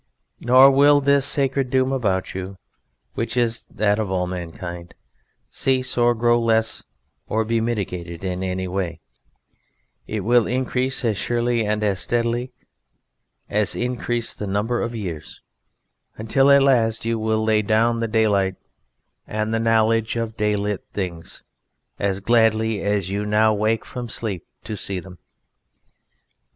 Nor will this sacred doom about you, which is that of all mankind, cease or grow less or be mitigated in any way; it will increase as surely and as steadily as increase the number of the years, until at last you will lay down the daylight and the knowledge of day lit things as gladly as now you wake from sleep to see them.